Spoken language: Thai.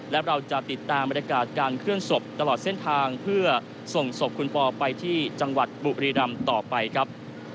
และเราจะติดตามบรรยากาศการเคลื่อนศพตลอดเส้นทางเพื่อส่งศพคุณปอไปที่จังหวัดบุรีรำต่อไปครับ